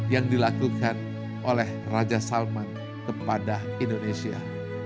yang dilakukan oleh raja salman kepada indonesia